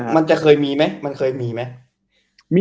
มันจะเคยมีไหม